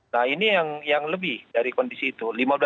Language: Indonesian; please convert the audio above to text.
nah ini yang lebih dari kondisi itu